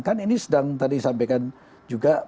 kan ini sedang tadi disampaikan juga